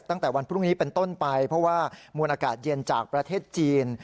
ตั้งแต่วันพรุ่งนี้เป็นต้นไปเพราะว่ามวลอากาศเย็นจากประเทศจีน